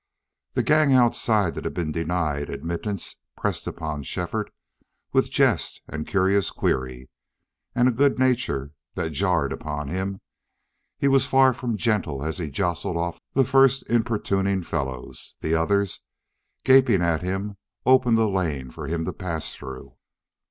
The gang outside that had been denied admittance pressed upon Shefford, with jest and curious query, and a good nature that jarred upon him. He was far from gentle as he jostled off the first importuning fellows; the others, gaping at him, opened a lane for him to pass through.